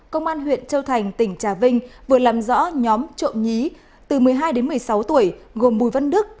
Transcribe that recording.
công an huyện châu thành tỉnh trà vinh vừa làm rõ nhóm trộm nhí từ một mươi hai đến một mươi sáu tuổi gồm bùi văn đức